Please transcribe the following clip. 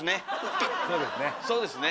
そうですね！